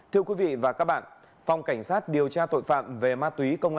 thưa quý vị và các bạn phòng cảnh sát điều tra tội phạm về ma túy công an